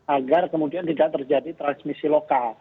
agar kemudian tidak terjadi transmisi lokal